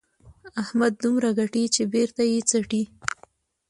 احمد دومره ګټي چې بېرته یې څټي.